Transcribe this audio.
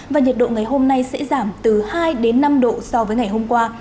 và nhiệt độ ngày hôm nay sẽ giảm từ hai đến năm độ so với ngày hôm qua